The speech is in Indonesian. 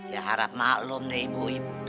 ya harap maklum nih ibu ibu